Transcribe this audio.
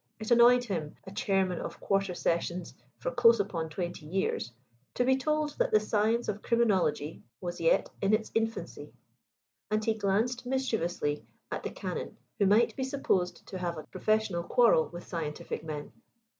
It annoyed him a Chairman of Quarter Sessions for close upon twenty years to be told that the science of criminology was yet in its infancy; and he glanced mischievously at the Canon, who might be supposed to have a professional quarrel with scientific men.